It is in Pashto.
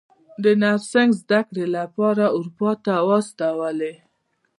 د نرسنګ زده کړو لپاره اروپا ته واستولې.